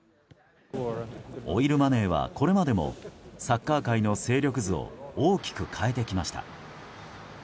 オイルマネーはこれまでもサッカー界の勢力図を大きく変えてきました。